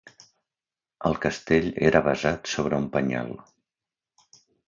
El castell era basat sobre un penyal.